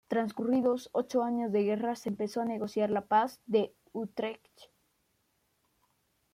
Transcurridos ocho años de guerra se empezó a negociar la Paz de Utrecht.